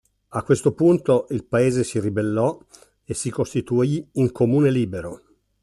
A questo punto il paese si ribellò e si costituì in Comune libero.